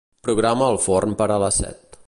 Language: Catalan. Programa el forn per a les set.